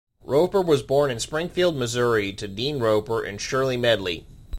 Roper was born in Springfield, Missouri, to Dean Roper and Shirley Medley.